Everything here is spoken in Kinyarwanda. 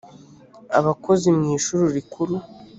abakozi mu ishuri rikuru